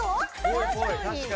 確かに。